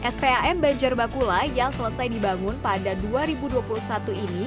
spam banjar bakula yang selesai dibangun pada dua ribu dua puluh satu ini